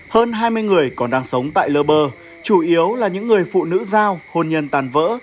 hơn hai mươi người còn đang sống tại lơ bơ chủ yếu là những người phụ nữ giao hôn nhân tàn vỡ